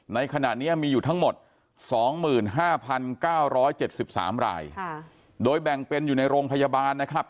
ในขณะนี้มีอยู่ทั้งหมด๒๕๙๗๓รายโดยแบ่งเป็นอยู่ในโรงพยาบาลนะครับ